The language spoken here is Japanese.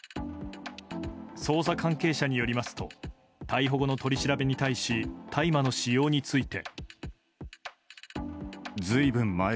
捜査関係者によりますと逮捕後の取り調べに対し大麻の使用について。